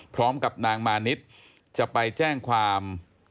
พร้อมกับนางมานิดจะไปแจ้งความ